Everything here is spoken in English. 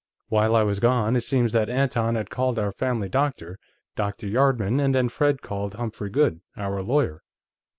While I was gone, it seems that Anton had called our family doctor, Dr. Yardman, and then Fred called Humphrey Goode, our lawyer.